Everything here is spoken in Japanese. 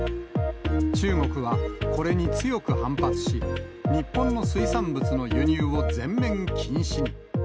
中国はこれに強く反発し、日本の水産物の輸入を全面禁止に。